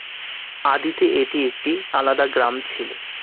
আদিতে এটি একটি আলাদা গ্রাম ছিল।